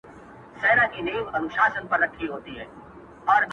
چي په وینو یې د ورور سره وي لاسونه؛